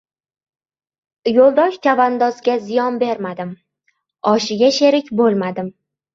Yo‘ldosh chavandozga ziyon bermadim, oshiga sherik bo‘lmadim.